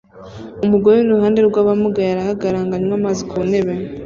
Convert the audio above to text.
Umugore uri iruhande rw'abamugaye arahagarara ngo anywe amazi ku ntebe